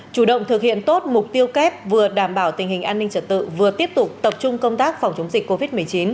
chủ động thực hiện tốt mục tiêu kép vừa đảm bảo tình hình an ninh trật tự vừa tiếp tục tập trung công tác phòng chống dịch covid một mươi chín